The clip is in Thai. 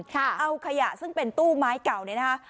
เอาขยะซึ่งเป็นตู้ไม้เก่าเนี่ยนะคะ